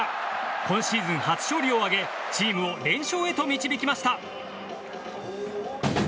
今シーズン初勝利を挙げチームを連勝へと導きました。